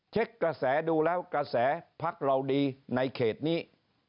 กระแสดูแล้วกระแสพักเราดีในเขตนี้